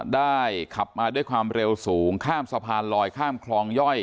ขับมาด้วยความเร็วสูงข้ามสะพานลอยข้ามคลองย่อย